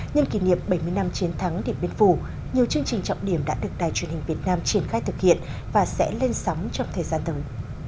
nhân kỷ niệm bảy mươi năm chiến thắng điện biên phủ nhiều chương trình trọng điểm đã được đài truyền hình việt nam triển khai thực hiện và sẽ lên sóng trong thời gian tới